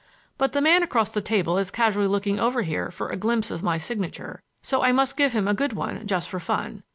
But the man across the table is casually looking over here for a glimpse of my signature, so I must give him a good one just for fun.